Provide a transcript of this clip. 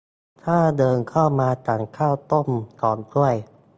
ถ้าเดินเข้ามาสั่งข้าวต้มสองถ้วย